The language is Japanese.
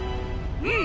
うん！